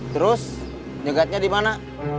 terus nyegetnya di mana